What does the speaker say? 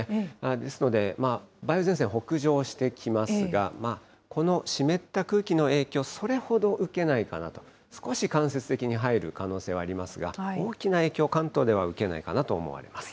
ですので、梅雨前線、北上してきますが、この湿った空気の影響、それほど受けないかなと、少し間接的に入る可能性はありますが、大きな影響、関東では受けないかなと思われます。